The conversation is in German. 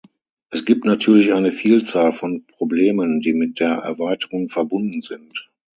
Es gibt natürlich eine Vielzahl von Problemen, die mit der Erweiterung verbunden sind.